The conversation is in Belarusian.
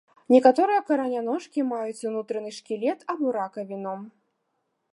Некаторыя караняножкі маюць унутраны шкілет або ракавіну.